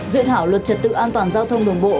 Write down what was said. dự thảo luật trật tự an toàn giao thông đường bộ